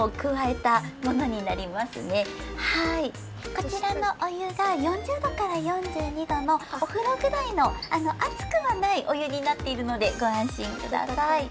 こちらのおゆが４０どから４２どのおふろぐらいのあつくはないおゆになっているのでごあんしんください。